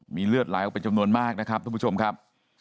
มีเลือดไหลออกเป็นจำนวนมากนะครับทุกผู้ชมครับ